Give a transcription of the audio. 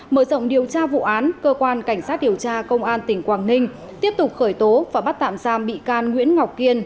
mở rộng điều tra vụ án cơ quan cảnh sát điều tra công an tỉnh quảng ninh tiếp tục khởi tố và bắt tạm giam bị can nguyễn ngọc kiên